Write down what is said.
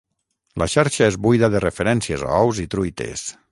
La xarxa es buida de referències a ous i truites